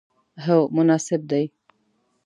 هو، مناسب دی